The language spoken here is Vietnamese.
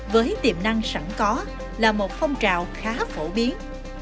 với tiềm năng sẵn có là một phong trào khá phổ biến